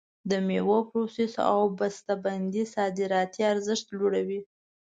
د میوو پروسس او بسته بندي صادراتي ارزښت لوړوي.